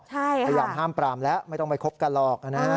พยายามห้ามปรามแล้วไม่ต้องไปคบกันหรอกนะฮะ